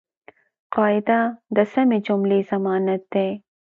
قاعده د سمي جملې ضمانت دئ.